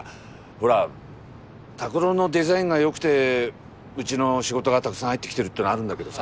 ほら拓郎のデザインがよくてうちの仕事がたくさん入ってきてるってのはあるんだけどさ。